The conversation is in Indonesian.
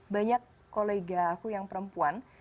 banyak kolega aku yang perempuan